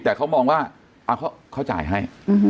แต่เขามองว่าเขาจ่ายให้